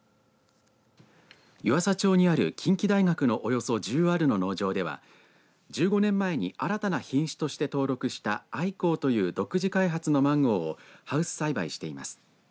湯浅町にある近畿大学のおよそ１０アールの農場では１５年前に新たな品種として登録した愛紅という独自開発のマンゴーをハウス栽培しています。